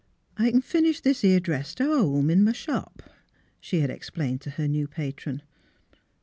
"I c'n finish this 'ere dress to home in m' shop," she had explained to her new patron.